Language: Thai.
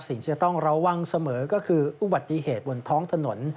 สิ่งที่จะต้องระวังเสมอก็คืออุบัติเหตุบนท้องถนน